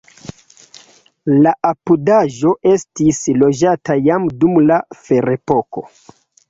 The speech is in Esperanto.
La apudaĵo estis loĝata jam dum la ferepoko.